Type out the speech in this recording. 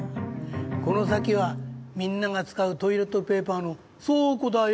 この先はみんなが使うトイレットペーパーの倉庫だよ。